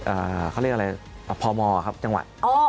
เขาเรียกอะไรอ่ะพมครับจังหวัดอ๋อ